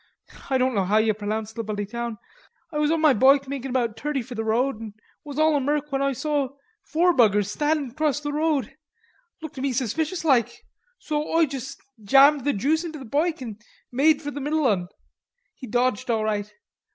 Oi don't know how you pronounce the bloody town.... Oi was on my bike making about thoity for the road was all a murk when Oi saw four buggers standing acrost the road... lookter me suspiciouslike, so Oi jus' jammed the juice into the boike and made for the middle 'un. He dodged all right.